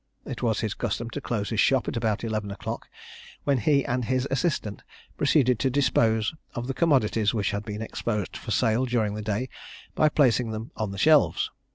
It was his custom to close his shop at about eleven o'clock, when he and his assistant proceeded to dispose of the commodities which had been exposed for sale during the day by placing them on the shelves.